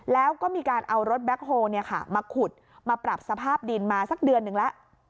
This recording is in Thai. แล้วก็มีการเอารถแบ็คโฮล์เนี่ยค่ะมาขุดมาปรับสภาพดินมาสักเดือนนึงละ